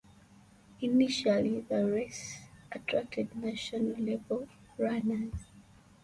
Initially, the race attracted national-level runners.